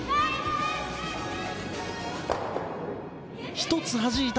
１つはじいた！